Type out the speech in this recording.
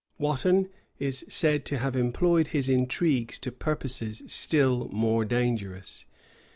Wotton is said to have employed his intrigues to purposes still more dangerous.